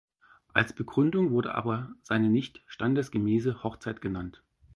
Als Begründung wurde aber seine nicht standesgemäße Hochzeit genannt.